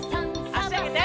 あしあげて。